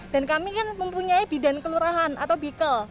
dan kami kan mempunyai bidan kelurahan atau bikkel